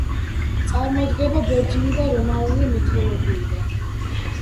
წარმოდგება ბერძნული და რომაული მითოლოგიიდან.